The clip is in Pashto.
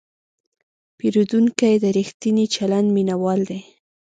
پیرودونکی د ریښتیني چلند مینهوال دی.